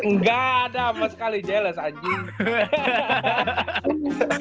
nggak ada apa sekali jealous anjir